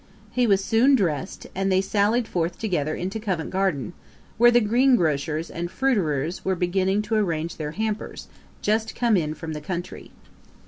He was soon drest, and they sallied forth together into Covent Garden, where the greengrocers and fruiterers were beginning to arrange their hampers, just come in from the country.